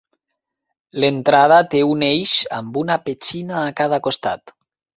L'entrada té un eix amb una petxina a cada costat.